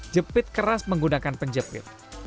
jepit keras menggunakan penjepit